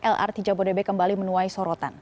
lrt jabodebek kembali menuai sorotan